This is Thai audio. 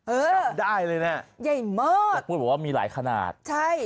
เออได้เลยน่ะใหญ่เมิดพูดว่ามีหลายขนาดใช่